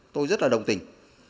tôi rất là đồng tình